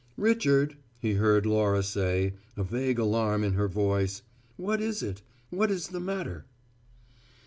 "Richard," he heard Laura say, a vague alarm in her voice, "what is it? What is the matter?"